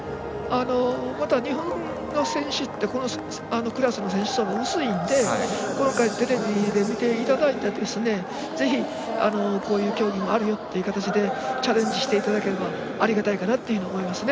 まだ日本の選手ってこのクラスの選手層は薄いので、今回テレビで見ていただいたらぜひ、こういう競技があるよという形でチャレンジしていただければありがたいかなと思いますね。